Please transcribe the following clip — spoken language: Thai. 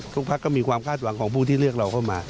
พักก็มีความคาดหวังของผู้ที่เลือกเราเข้ามา